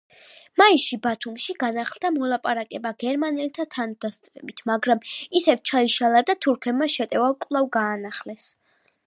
მაისში ბათუმში განახლდა მოლაპარაკება გერმანელთა თანდასწრებით, მაგრამ ისევ ჩაიშალა და თურქებმა შეტევა კვლავ განაახლეს.